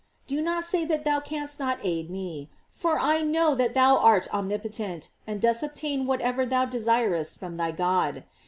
Do not say that thou canst not aid me, for I know that thou art omnipotent, and dost obtain whatever thou desireth from thy God.